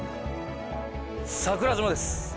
桜島です。